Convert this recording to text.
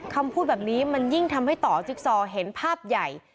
คำพูดแบบนี้มันยิ่งทำให้ต่อจิ๊กซอเห็นภาพใหญ่